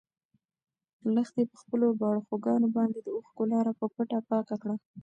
لښتې په خپلو باړخوګانو باندې د اوښکو لاره په پټه پاکه کړه.